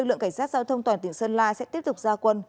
trường cảnh sát giao thông toàn tỉnh sơn la sẽ tiếp tục ra quân